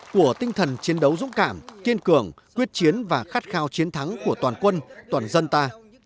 của tinh thần chiến đấu dũng cảm kiên cường quyết chiến và khát khao chiến thắng của toàn quân toàn dân ta